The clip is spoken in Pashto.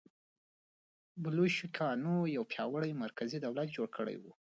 بلشویکانو یو پیاوړی مرکزي دولت جوړ کړی و.